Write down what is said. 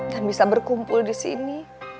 dan bisa berkumpul disini